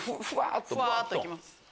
ふわっと行きます。